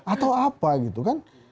atau apa gitu kan